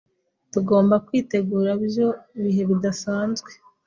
Tugomba kwitegura ibyo bihe bidasanzwe.